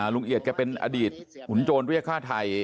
เอียดแกเป็นอดีตขุนโจรเรียกฆ่าไทย